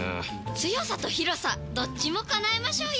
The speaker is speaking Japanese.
強さと広さどっちも叶えましょうよ！